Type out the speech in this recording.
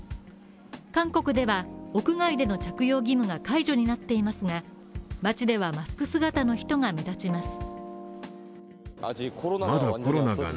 韓国では屋外での着用義務が解除になっていますが街ではマスク姿の人が目立ちます。